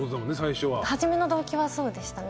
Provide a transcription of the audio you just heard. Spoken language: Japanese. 初めの動機はそうでしたね。